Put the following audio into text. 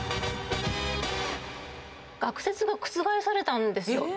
学説が覆されたんですよ。